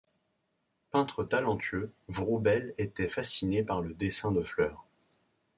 Peintre talentueux, Vroubel était fasciné par le dessin de fleurs.